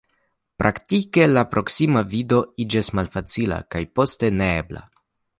Praktike, la proksima vido iĝas malfacila, kaj poste neebla.